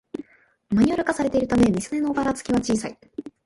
マニュアル化されているため店のバラつきは小さい